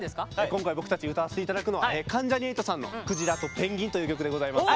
今回僕たち歌わせて頂くのは関ジャニ∞さんの「クジラとペンギン」という曲でございます。